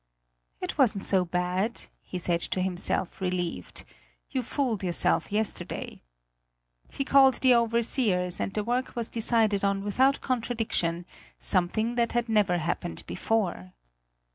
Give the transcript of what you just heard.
"It wasn't so bad," he said to himself, relieved; "you fooled yourself yesterday." He called the overseers, and the work was decided on without contradiction, something that had never happened before.